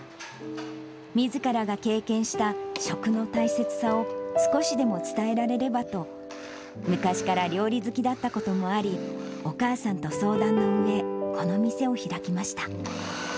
みずからが経験した食の大切さを少しでも伝えられればと、昔から料理好きだったこともあり、お母さんと相談のうえ、この店を開きました。